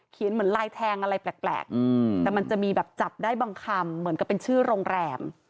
เหมือนลายแทงอะไรแปลกแต่มันจะมีแบบจับได้บางคำเหมือนกับเป็นชื่อโรงแรม